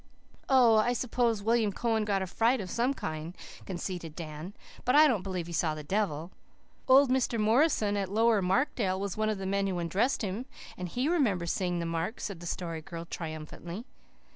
"Oh, I suppose William Cowan got a fright of some kind," conceded Dan, "but I don't believe he saw the devil." "Old Mr. Morrison at Lower Markdale was one of the men who undressed him, and he remembers seeing the marks," said the Story Girl triumphantly.